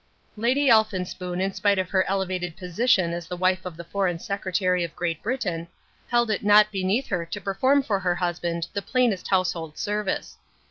Lady Elphinspoon, in spite of her elevated position as the wife of the Foreign Secretary of Great Britain, held it not beneath her to perform for her husband the plainest household service.